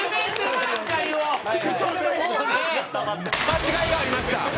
間違いがありました。